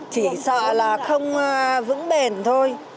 chỉ sợ là không vững bền thôi